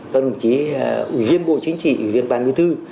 các đồng chí ủy viên bộ chính trị ủy viên ban bí thư